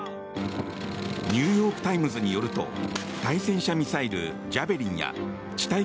ニューヨーク・タイムズによると対戦車ミサイル「ジャベリン」や地